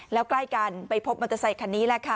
แล้วใกล้กันไปพบมอเตอร์ไซคันนี้แหละค่ะ